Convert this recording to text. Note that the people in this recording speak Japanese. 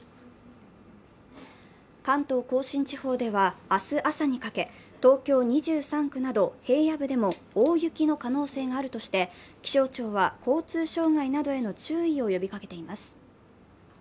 関東甲信地方では明日朝にかけ東京２３区など平野部でも大雪の可能性があるとして気象庁は交通障害などへの注意を呼びかけています。